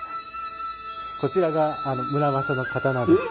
こちらが村正の刀です。